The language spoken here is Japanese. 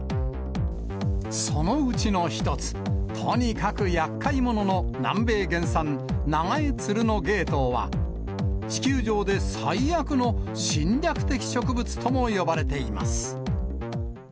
そのうちの一つ、とにかくやっかい者の南米原産、ナガエツルノゲイトウは、地球上で最悪の侵略的植物とも呼ばれています。